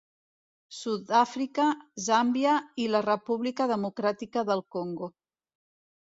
Sud-àfrica, Zàmbia i la República Democràtica del Congo.